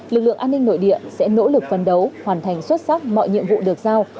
lực lượng an ninh nội địa sẽ nỗ lực phân đấu hoàn thành xuất sắc mọi nhiệm vụ được giao